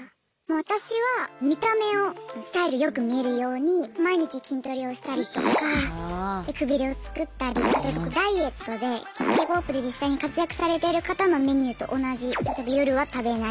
私は見た目をスタイルよく見えるように毎日筋トレをしたりとかくびれをつくったりダイエットでＫ−ＰＯＰで実際に活躍されている方のメニューと同じ例えば夜は食べない。